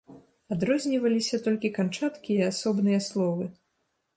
Адрозніваліся толькі канчаткі і асобныя словы.